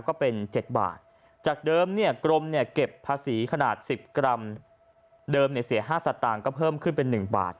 ก็เป็นเจ็ดบาทจากเดิมเนี่ยกรมเนี่ยเก็บภาษีขนาดสิบกรัมเดิมเนี่ยเสียห้าสัตว์ต่างก็เพิ่มขึ้นเป็นหนึ่งบาท